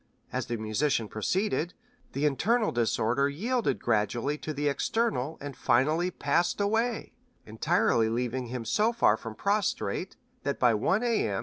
As the musician proceeded, the internal disorder yielded gradually to the external and finally passed away, entirely leaving him so far from prostrate that by 1 A. M.